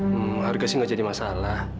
hmm harga sih gak jadi masalah